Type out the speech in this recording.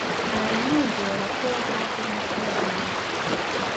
Mara nyingi wanakuwa hapo Machi hadi Juni